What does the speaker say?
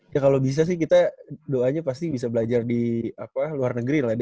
ya kalo bisa sih kita doanya pasti bisa belajar di luar negeri lah d